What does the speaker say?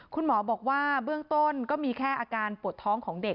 คุณหมอบอกว่าเบื้องต้นก็มีแค่อาการปวดท้องของเด็ก